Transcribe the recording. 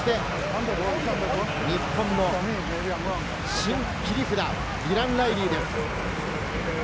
途中から入った福井、そして日本の新切り札、ディラン・ライリーです。